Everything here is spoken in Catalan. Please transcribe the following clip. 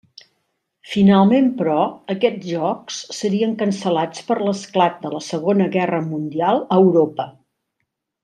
Finalment, però, aquests Jocs serien cancel·lats per l'esclat de la Segona Guerra Mundial a Europa.